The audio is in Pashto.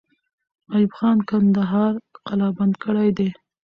ایوب خان کندهار قلابند کړی دی.